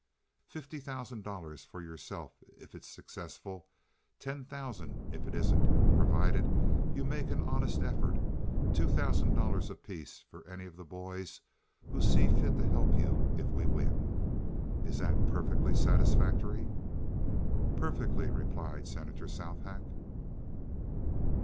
"Fifty thousand dollars for yourself if it's successful, ten thousand if it isn't—provided you make an honest effort; two thousand dollars apiece for any of the boys who see fit to help you if we win. Is that perfectly satisfactory?" "Perfectly," replied Senator Southack.